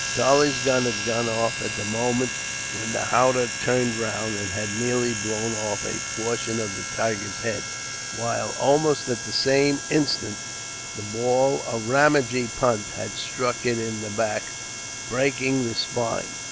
Charlie's gun had gone off at the moment when the howdah turned round, and had nearly blown off a portion of the tiger's head; while, almost at the same instant, the ball of Ramajee Punt had struck it in the back, breaking the spine.